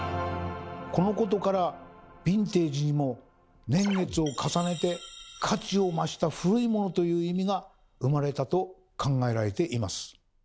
このことから「ヴィンテージ」にも「年月を重ねて価値を増した古いモノ」という意味が生まれたと考えられています。